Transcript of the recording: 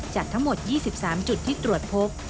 จากทั้งหมด๒๓จุดที่ตรวจพบ